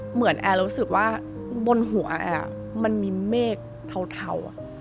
เหมือนแอร์รู้สึกว่าบนหัวแอมันมีเมฆเทา